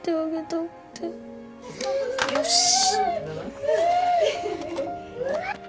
よし